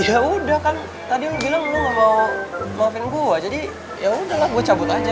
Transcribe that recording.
yaudah kan tadi lo bilang lo gak mau maafin gue jadi yaudah lah gue cabut aja